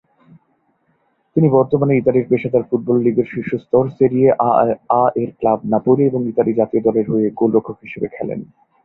তিনি বর্তমানে ইতালির পেশাদার ফুটবল লীগের শীর্ষ স্তর সেরিয়ে আ-এর ক্লাব নাপোলি এবং ইতালি জাতীয় দলের হয়ে গোলরক্ষক হিসেবে খেলেন।